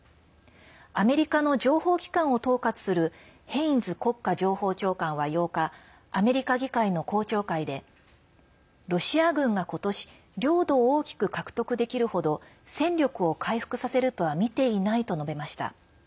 アメリカの情報機関を統括するヘインズ国家情報長官は８日アメリカ議会の公聴会でロシア軍が今年領土を大きく獲得できる程戦力を回復させるとは見ていないと述べました。